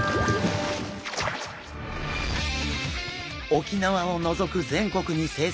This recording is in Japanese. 沖縄を除く全国に生息するクロダイ。